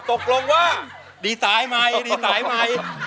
ตกลงว่าดีสายใหม่ดีสายใหม่